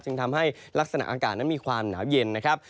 ทำให้ลักษณะอากาศนั้นมีความหนาวเย็นนะครับ